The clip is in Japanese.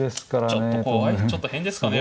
ちょっと怖いちょっと変ですかね